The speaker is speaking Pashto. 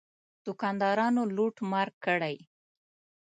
دوکاندارانو لوټ مار کړی.